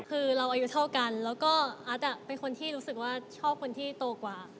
คือเราอายุเท่ากันแล้วก็อัสเป็นคนที่รู้สึกว่าชอบคนที่โตกว่า